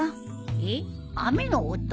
えっ雨の音？